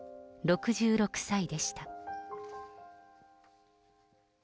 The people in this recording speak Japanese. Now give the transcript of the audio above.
６６歳でした。